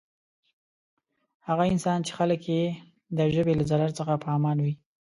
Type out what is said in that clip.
هغه انسان چی خلک یی د ژبی له ضرر څخه په امان وی.